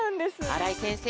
荒居先生